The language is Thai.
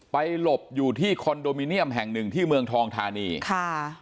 หลบอยู่ที่คอนโดมิเนียมแห่งหนึ่งที่เมืองทองธานีค่ะ